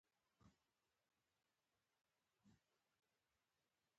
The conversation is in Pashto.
جمله اورېدونکي ته پیغام رسوي.